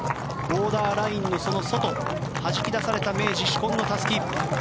ボーダーラインのその外はじき出された明治紫紺のたすき。